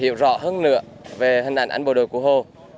hiểu rõ hơn nữa về hình ảnh ảnh bộ đội của hồ